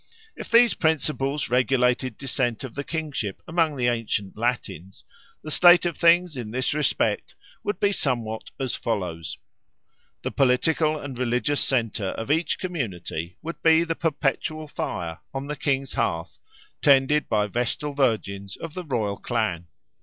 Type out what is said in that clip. If these principles regulated descent of the kingship among the ancient Latins, the state of things in this respect would be somewhat as follows. The political and religious centre of each community would be the perpetual fire on the king's hearth tended by Vestal Virgins of the royal clan.